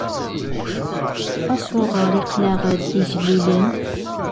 Acuɣer i aql-aɣ d igellilen?